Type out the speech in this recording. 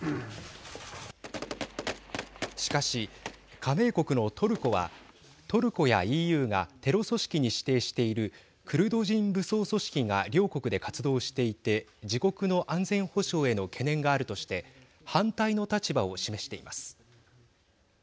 しかし加盟国のトルコはトルコやＥＵがテロ組織に指定しているクルド人武装組織が両国で活動していて自国の安全保障への懸念があるとして反対の立場を示しています。